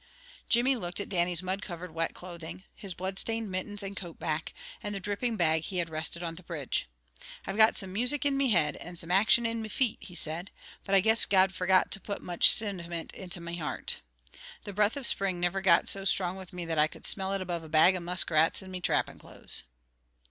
Jimmy looked at Dannie's mud covered, wet clothing, his blood stained mittens and coat back, and the dripping bag he had rested on the bridge. "I've got some music in me head, and some action in me feet," he said, "but I guess God forgot to put much sintimint into me heart. The breath of spring niver got so strong with me that I could smell it above a bag of muskrats and me trappin' clothes."